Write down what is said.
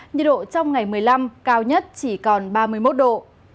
nhiệt độ trong ngày một mươi năm cao nhất chỉ còn ba mươi một độ